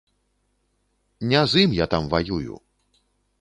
Не з ім я там ваюю.